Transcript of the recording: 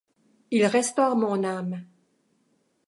Il restaure mon âme.